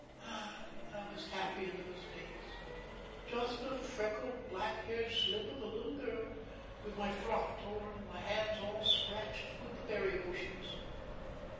Ah, I was happy in those days just a freckled, black haired slip of a little girl, with my frock torn and my hands all scratched with the berry bushes."